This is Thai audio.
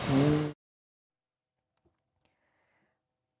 อืม